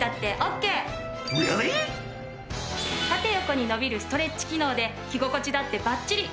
縦横に伸びるストレッチ機能で着心地だってバッチリ！